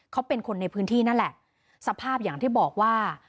เขาเป็นคนในพื้นที่นั่นแหละสภาพอย่างที่บอกว่า